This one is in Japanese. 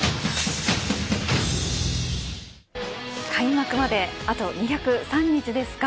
開幕まであと２０３日ですか。